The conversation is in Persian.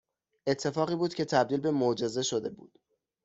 اتفاقی بود که تبدیل به معجزه شده بود